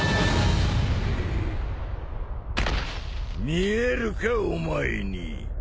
見えるかお前に。